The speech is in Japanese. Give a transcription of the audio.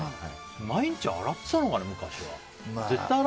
毎日洗ってたのかな、昔は。